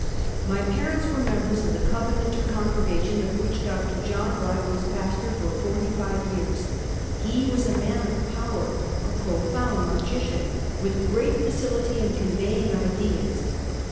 My parents were members of the Covenanter Con gregation, of which Dr. John Black was pastor for forty five years. He was a man of power, a profound logician, with great facility in conveying ideas.